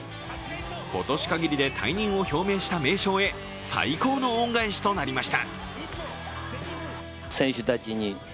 今年限りで退任を表明した名将へ最高の恩返しとなりました。